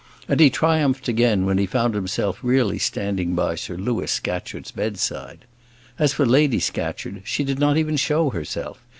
And he triumphed again when he found himself really standing by Sir Louis Scatcherd's bedside. As for Lady Scatcherd, she did not even show herself.